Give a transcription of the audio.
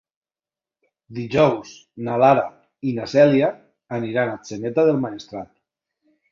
Dijous na Lara i na Cèlia aniran a Atzeneta del Maestrat.